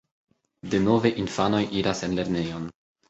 Denove infanoj iras en lernejon.